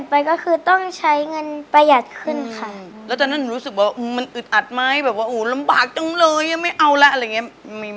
ไม่เอาละอะไรอย่างงี้